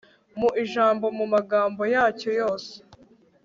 mu ijambo, mu magambo yacyo yose